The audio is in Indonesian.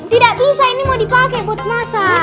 tidak bisa ini mau dipakai buat massa